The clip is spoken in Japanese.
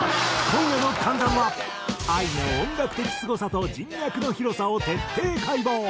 今夜の『関ジャム』はＡＩの音楽的すごさと人脈の広さを徹底解剖！